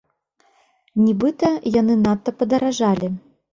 Нібыта, яны надта падаражалі.